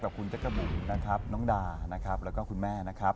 กับคุณจักรบุ๋มนะครับน้องดานะครับแล้วก็คุณแม่นะครับ